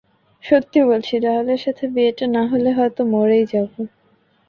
সত্যি বলছি, ডয়েলের সাথে বিয়েটা না হলে হয়তো মরেই যাব!